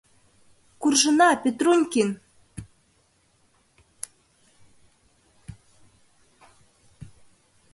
Куржына, Петрунькин!